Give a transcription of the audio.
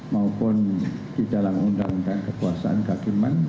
maupun di dalam undang undang kekuasaan kehakiman